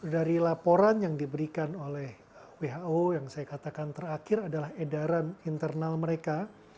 dari laporan yang diberikan oleh who yang saya katakan terakhir adalah edaran internal mereka